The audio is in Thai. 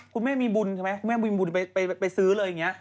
คุณแม่มีบุญใช่ไหมแม่มีบุญไปซื้อเลยอย่างนี้